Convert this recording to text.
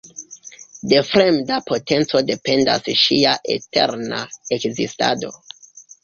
De fremda potenco dependas ŝia eterna ekzistado.